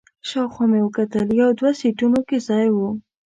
شاوخوا مې وکتل، یو دوه سیټونو کې ځای و.